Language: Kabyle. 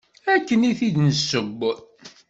Akken i tt-id-nesseww.